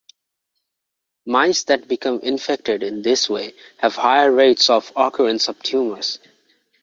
Mice that become infected in this way have higher rates of occurrence of tumors.